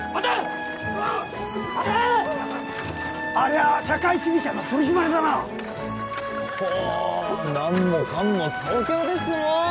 ありゃ社会主義者の取り締まりだなほお何もかんも東京ですのう